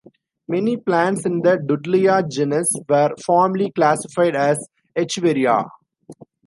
Many plants in the Dudleya genus were formerly classified as "Echeveria".